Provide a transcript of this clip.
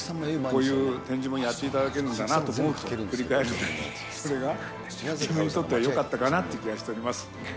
こういう展示ものをやっていただけるんだなと思うと、振り返るなり、それが自分にとってはよかったかなという気がしております。